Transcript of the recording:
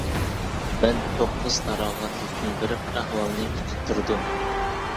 مەن توققۇزتاراغا تېلېفون بېرىپ ئەھۋالنى ئۇقۇپ تۇردۇم.